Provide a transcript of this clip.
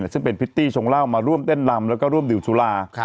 ซึ่งเป็นพริตตี้ชงเหล้ามาร่วมเต้นลำแล้วก็ร่วมดื่มสุรา